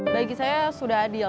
bagi saya sudah adil